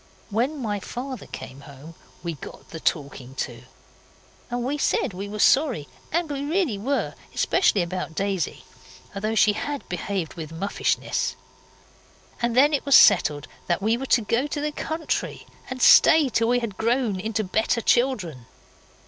When my father came home we got the talking to, and we said we were sorry and we really were especially about Daisy, though she had behaved with muffishness, and then it was settled that we were to go into the country and stay till we had grown into better children.